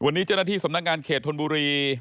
วันนี้เจ้าหน้าที่สำนักงานเขตธนบุรี